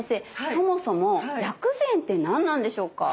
そもそも薬膳って何なんでしょうか？